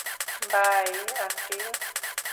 By, aunty.